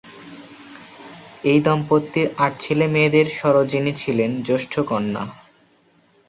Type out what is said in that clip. এই দম্পতির আট ছেলেমেয়েদের সরোজিনী ছিলেন জ্যেষ্ঠ কন্যা।